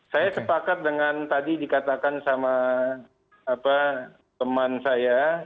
saya sepakat dengan tadi dikatakan sama teman saya